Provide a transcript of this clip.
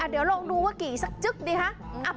เดี๋ยวลองดูว่ากี่สักจึ๊กดีคะ